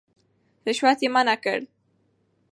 رشوت يې منع کړ.